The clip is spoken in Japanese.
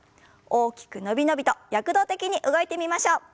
大きく伸び伸びと躍動的に動いてみましょう。